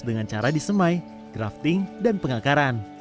dengan cara disemai grafting dan pengakaran